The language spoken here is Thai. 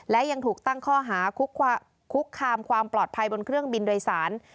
และยังถูกตั้งข้อหาคุกคามความปลอดภัยบนเครื่องบินโดยสาร